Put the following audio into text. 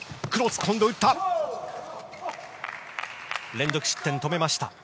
連続失点を止めました。